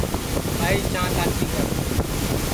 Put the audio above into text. ٻائی چاں تاتی کرئے